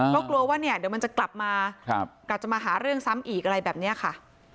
ก็กลัวว่าเนี่ยเดี๋ยวมันจะกลับมากลับจะมาหาเรื่องซ้ำอีกอะไรแบบนี้ค่ะ